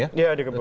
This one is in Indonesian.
ya di kepung